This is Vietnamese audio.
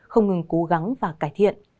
không ngừng cố gắng và cải thiện